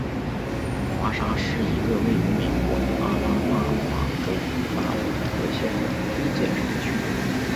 华沙是一个位于美国阿拉巴马州萨姆特县的非建制地区。